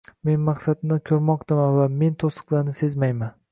Men maqsadni ko'rmoqdaman - va men to'siqlarni sezmayman!